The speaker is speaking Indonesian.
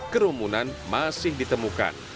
kerumunan masih ditemukan